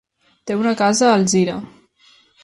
Té una casa a Alzira.